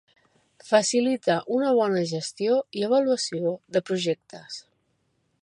Facilita una bona gestió i avaluació de projectes.